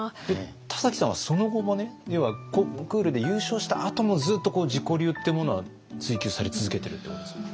田崎さんはその後もコンクールで優勝したあともずっとこう自己流ってものは追求され続けてるってことですか？